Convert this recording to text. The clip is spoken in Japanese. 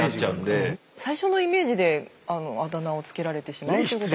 最初のイメージであだ名を付けられてしまうってこと。